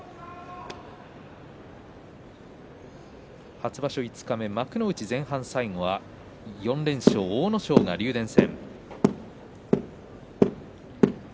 初場所五日目、幕内前半最後は４連勝、阿武咲が竜電戦。